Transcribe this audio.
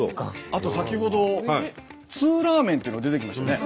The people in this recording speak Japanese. あと先ほどツーラーメンっていうのが出てきましたよね。